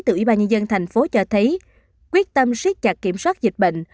từ ủy ban nhân dân thành phố cho thấy quyết tâm siết chặt kiểm soát dịch bệnh